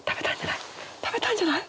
食べたんじゃない？